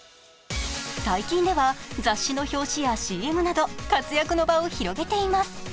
最近では雑誌の表紙やＣＭなど活躍の場を広げています。